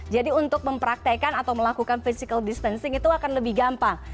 jadi untuk mempraktekan atau melakukan physical distancing itu akan lebih gampang